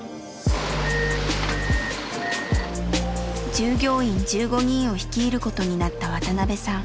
従業員１５人を率いることになった渡邊さん。